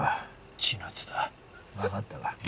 わかったか？